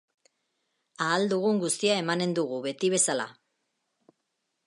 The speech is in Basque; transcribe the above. Ahal dugun guztia emanen dugu, beti bezala!